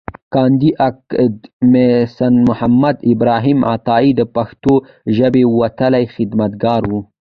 کاندي اکاډميسنمحمد ابراهیم عطایي د پښتو ژبې وتلی خدمتګار و.